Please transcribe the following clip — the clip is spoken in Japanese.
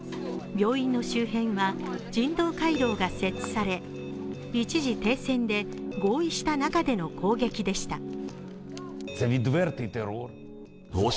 病院の周辺は人道回廊が設置され一時、停戦で合意した中での攻撃でした。